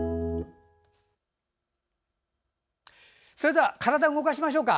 では体を動かしましょうか。